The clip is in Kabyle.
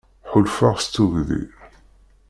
Ḥulfaɣ s tugdi.